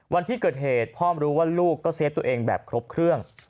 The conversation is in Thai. วันที่เกิดเหตุพ่อมารู้ว่าลูกก็เซฟตัวเองแบบครบเครื่อง